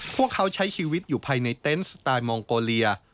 พวกเขาใช้ชีวิตอยู่ภายในเต็นต์สไตล์มองโกเลีย